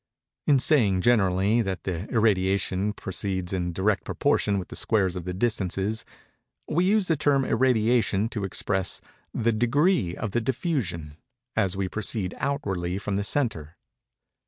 In saying, generally, that the irradiation proceeds in direct proportion with the squares of the distances, we use the term irradiation to express the degree of the diffusion as we proceed outwardly from the centre.